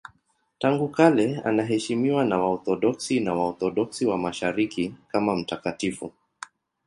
Tangu kale anaheshimiwa na Waorthodoksi na Waorthodoksi wa Mashariki kama mtakatifu.